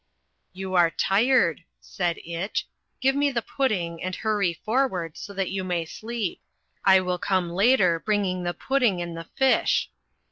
"You are tired," said Itch. "Give me the pudding and hurry forward, so that you may sleep. I will come later, bringing the pudding and the fish."